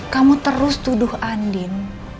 kamu terus tuduh andin